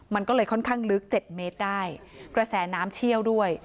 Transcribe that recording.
มันก็เลยค่อนข้างลึกเจ็ดเมตรได้กระแสน้ำเชี่ยวด้วย